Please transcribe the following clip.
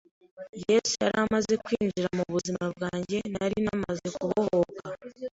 Yesu yari yamaze kwinjira mu buzima bwanjye, nari namaze kubohoka.